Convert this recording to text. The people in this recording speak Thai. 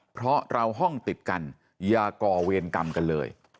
เพราะเราห้องติดกันอย่าก่อเวรกรรมกันเลย